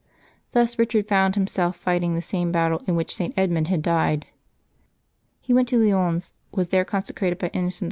Thus Eichard found himself fighting the same battle in which St. Edmund had died. He went to Lyons, was there consecrated by Innocent IV.